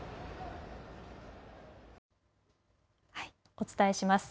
お伝えします。